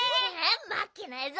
まけないぞ！